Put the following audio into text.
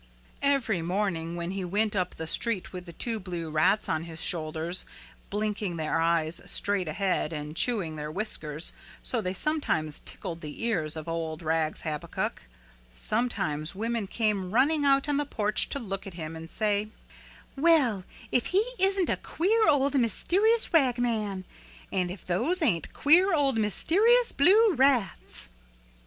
Every morning when he went up the street with the two blue rats on his shoulders, blinking their eyes straight ahead and chewing their whiskers so they sometimes tickled the ears of old Rags Habakuk, sometimes women came running out on the front porch to look at him and say, "Well, if he isn't a queer old mysterious ragman and if those ain't queer old mysterious blue rats!"